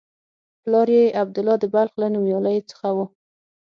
پلار یې عبدالله د بلخ له نومیالیو څخه و.